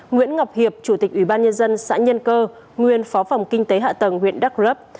nguyễn ngọc hiệp chủ tịch ủy ban nhân dân xã nhân cơ nguyên phó phòng kinh tế hạ tầng huyện đắk rấp